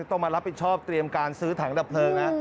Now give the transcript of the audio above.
ต้องมารับผิดชอบเตรียมการซื้อถังดับเพลิงนะ